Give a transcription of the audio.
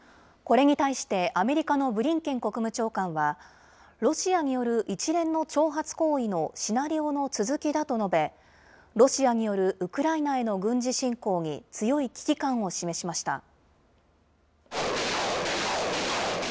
これに対してアメリカのブリンケン国務長官は、ロシアによる一連の挑発行為のシナリオの続きだと述べ、ロシアによるウクライナへの軍事侵攻に強い危機感を示しました。